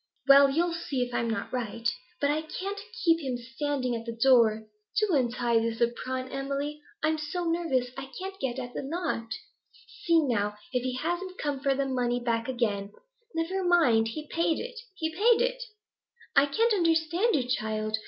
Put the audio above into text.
'Well, you'll see if I'm net right. But I can't keep him standing at the door. Do untie this apron, Emily; I'm so nervous, I can't get at the knot. See, now, if he hasn't come for the money back again.' 'Never mind; he paid it! He paid it!' 'I can't understand you, child.